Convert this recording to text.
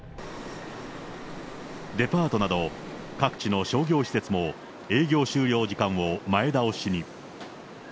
デパートなど、各地の商業施設も営業終了時間を前倒しに。